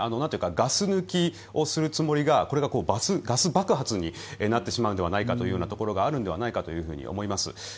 ガス抜きをするつもりがこれがガス爆発になってしまうんではないかというところがあるんだろうと思います。